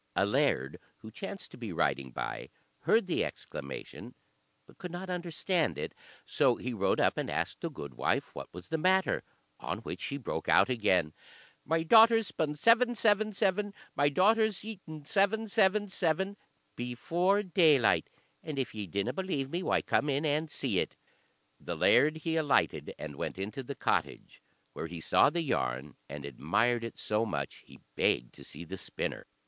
A laird who chanced to be riding by, heard the exclamation, but could not understand it; so he rode up and asked the gudewife what was the matter, on which she broke out again "My daughter's spun seven, seven, seven, My daughter's eaten seven, seven, seven before daylight; and if ye dinna believe me, why come in and see it." The laird, he alighted and went into the cottage, where he saw the yarn, and admired it so much he begged to see the spinner.